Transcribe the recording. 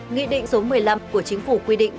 nghị định số một mươi năm của chính phủ quy định